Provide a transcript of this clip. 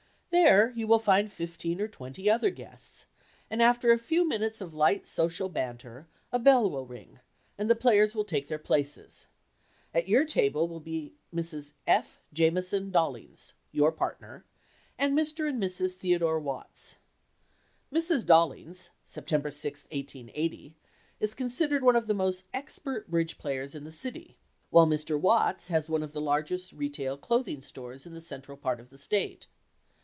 There you will find fifteen or twenty other guests, and after a few minutes of light social banter a bell will ring and the players will take their places. At your table will be Mrs. F. Jamison Dollings (your partner) and Mr. and Mrs. Theodore Watts. Mrs. Dollings (Sept. 6, 1880) is considered one of the most expert "bridge" players in the city, while Mr. Watts has one of the largest retail clothing stores in the central part of the State.